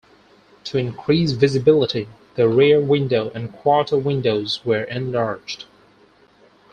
To increase visibility, the rear window and quarter windows were enlarged.